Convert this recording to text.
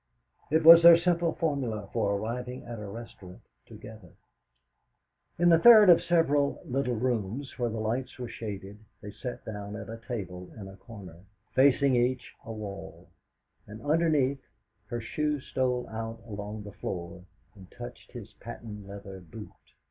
It was their simple formula for arriving at a restaurant together. In the third of several little rooms, where the lights were shaded, they sat down at a table in a corner, facing each a wall, and, underneath, her shoe stole out along the floor and touched his patent leather boot.